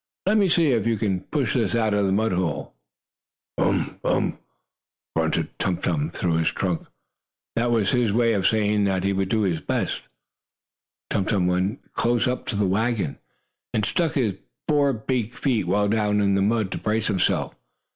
"Let me see, if you can push this out of the mud hole." "Umph! Umph!" grunted Tum Tum through his trunk. That was his way of saying that he would do his best. Tum Tum went close up to the wagon, and stuck his four big feet well down in the mud to brace himself.